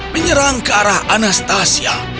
menyerang ke arah anastasia